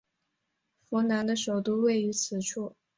扶南的首都位于此处。